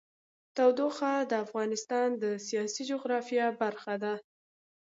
تودوخه د افغانستان د سیاسي جغرافیه برخه ده.